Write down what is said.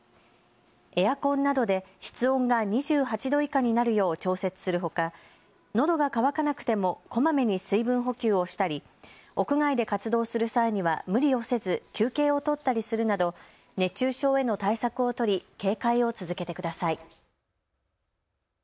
エアコンなどで室温が２８度以下になるよう調節するほかのどが渇かなくてもこまめに水分補給をしたり屋外で活動する際には無理をせず休憩を取ったりするなど熱中症への対策を取り警戒を続けてください。